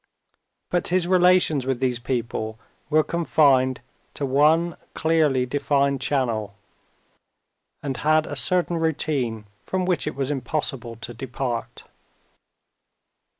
But his relations with these people were confined to one clearly defined channel, and had a certain routine from which it was impossible to depart.